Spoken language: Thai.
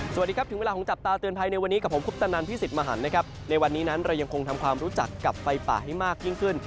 สวัสดีครับถึงเวลาของจับตาเตือนภัยในวันนี้กับผมคุปตนันพี่สิทธิ์มหันนะครับในวันนี้นั้นเรายังคงทำความรู้จักกับไฟป่าให้มากยิ่งขึ้น